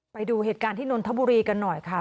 ไปดูเหตุการณ์ที่นนทบุรีกันหน่อยค่ะ